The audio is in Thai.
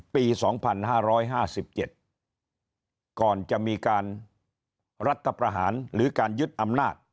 ปีสองพันห้าร้อยห้าสิบเจ็ดก่อนจะมีการรัฐประหารหรือการยึดอำนาจ